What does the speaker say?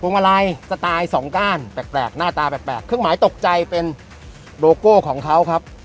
มาลัยสไตล์สองก้านแปลกหน้าตาแปลกเครื่องหมายตกใจเป็นโลโก้ของเขาครับ